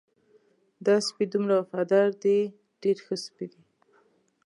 دا سپی دومره وفادار دی ډېر ښه سپی دی.